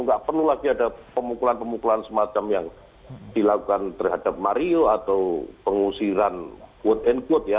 nggak perlu lagi ada pemukulan pemukulan semacam yang dilakukan terhadap mario atau pengusiran quote unquote ya